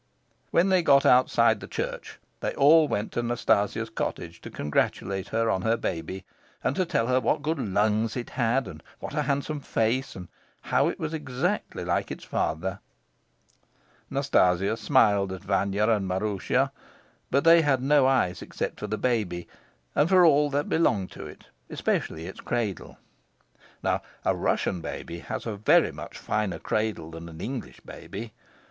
When they got outside the church, they all went to Nastasia's cottage to congratulate her on her baby, and to tell her what good lungs it had, and what a handsome face, and how it was exactly like its father. Nastasia smiled at Vanya and Maroosia; but they had no eyes except for the baby, and for all that belonged to it, especially its cradle. Now a Russian baby has a very much finer cradle than an English baby.